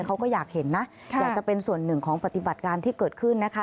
เขาก็อยากเห็นนะอยากจะเป็นส่วนหนึ่งของปฏิบัติการที่เกิดขึ้นนะคะ